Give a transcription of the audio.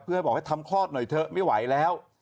เพื่อให้บอกให้ทำคลอดหน่อยเถอะไม่ไหวแล้ว